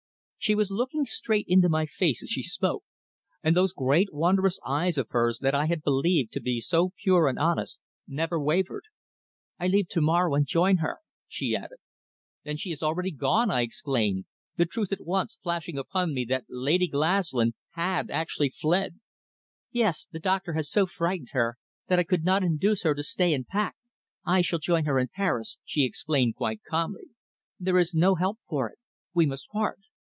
She was looking straight into my face as she spoke, and those great wondrous eyes of hers that I had believed to be so pure and honest never wavered. "I leave to morrow and join her," she added. "Then she has already gone!" I exclaimed, the truth at once flashing upon me that Lady Glaslyn had actually fled. "Yes. The doctor has so frightened her that I could not induce her to stay and pack. I shall join her in Paris," she explained quite calmly. "There is no help for it. We must part."